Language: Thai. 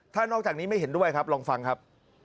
ถ้านอกจากนี้ไม่เห็นด้วยครับลองฟังครับ